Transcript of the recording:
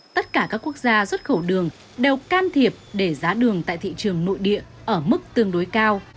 tất cả các quốc gia xuất khẩu đường đều can thiệp để giá đường tại thị trường nội địa ở mức tương đối cao